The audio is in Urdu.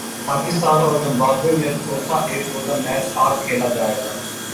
پاکستان اور زمبابوے میں چوتھا ایک روزہ میچ اج کھیلا جائے گا